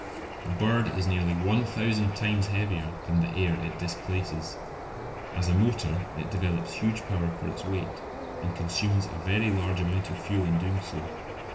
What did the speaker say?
A bird is nearly one thousand times heavier than the air it displaces. As a motor it develops huge power for its weight, and consumes a very large amount of fuel in doing so.